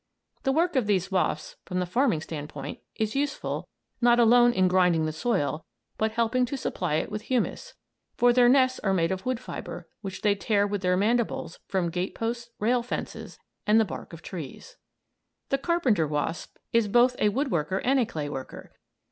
The work of these wasps, from the farming standpoint, is useful not alone in grinding the soil, but helping to supply it with humus; for their nests are made of wood fibre, which they tear with their mandibles from gateposts, rail fences, and the bark of trees. [Illustration: NESTS OF MASON WASPS] The carpenter wasp is both a wood worker and a clay worker.